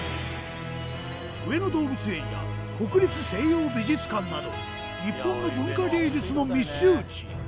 上野動物園や国立西洋美術館など日本の文化芸術の密集地。